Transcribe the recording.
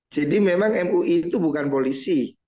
jadi memang mui itu bukan polisi